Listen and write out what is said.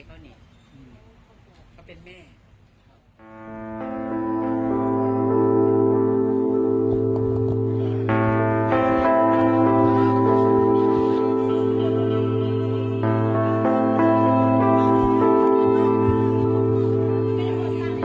แม่หรือเป็นข้าทดกร